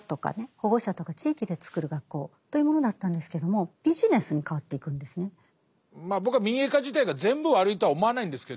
保護者とか地域で作る学校というものだったんですけどもまあ僕は民営化自体が全部悪いとは思わないんですけど。